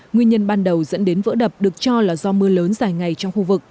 nguyên nhân ban đầu dẫn đến vỡ đập được cho là do mưa lớn dài ngày trong khu vực